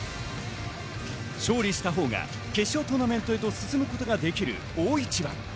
勝利したほうが決勝トーナメントへと進むことができる大一番。